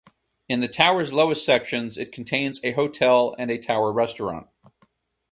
In the Tower's lowest sections it contains a hotel and a tower restaurant.